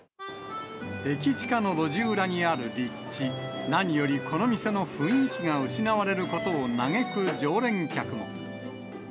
駅近の路地裏にある立地、何よりこの店の雰囲気が失われることを嘆く常連客も。